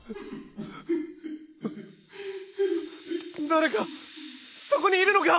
・誰かそこにいるのか！？